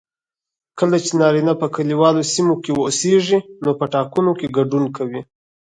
کله چې نارینه په کليوالو سیمو کې اوسیږي نو په ټاکنو کې ګډون کوي